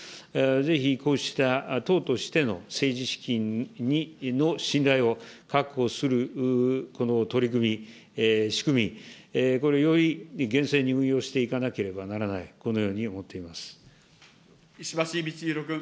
ぜひこうした党としての政治資金の信頼を確保するこの取り組み、仕組み、これをより厳正に運用していかなければならない、このように思っ石橋通宏君。